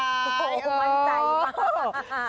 โอ้โฮมั่นใจมาก